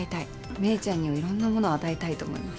芽郁ちゃんにはいろんなものを与えたいと思います。